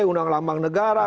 undang lambang negara